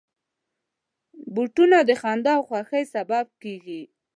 بوټونه د خندا او خوښۍ سبب کېږي.